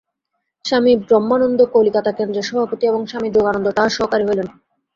স্বামী ব্রহ্মানন্দ কলিকাতা-কেন্দ্রের সভাপতি এবং স্বামী যোগানন্দ তাঁহার সহকারী হইলেন।